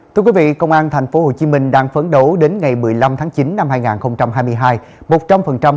thưa quý vị công an tp hcm đang phấn đấu đến ngày một mươi năm tháng chín năm hai nghìn hai mươi hai